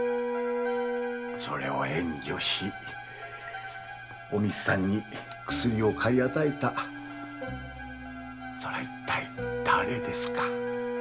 それを援助しおみつさんに薬を買い与えたそれは一体誰ですか。